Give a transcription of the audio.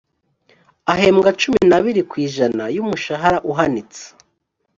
ahembwa cumi n’abiri ku ijana y’umushahara uhanitse